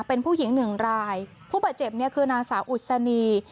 เป็นผู้หญิงหนึ่งรายผู้บาดเจ็บเนี่ยคือนางสาวอุศนี